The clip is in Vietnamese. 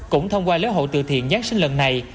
cũng thông qua lễ hội từ thiện giáng sinh lần này